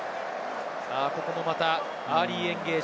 またアーリーエンゲージ。